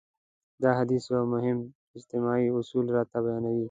دا حديث يو مهم اجتماعي اصول راته بيانوي.